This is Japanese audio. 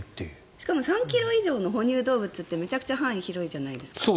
しかも３ｋｇ以上の哺乳動物ってめちゃくちゃ範囲が広いじゃないですか。